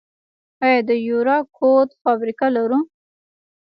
آیا د یوریا کود فابریکه لرو؟